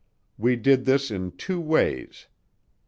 We did this in two ways.